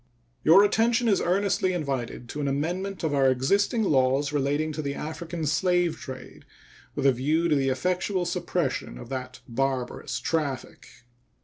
Your attention is earnestly invited to an amendment of our existing laws relating to the African slave trade with a view to the effectual suppression of that barbarous traffic.